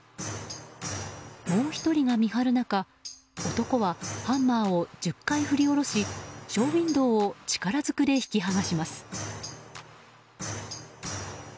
もう１人が見張る中男はハンマーを１０回振り下ろしショーウィンドーを力ずくで引きはがします。